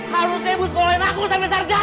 harusnya ibu sekolahin aku sampai sarjana